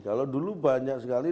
kalau dulu banyak sekali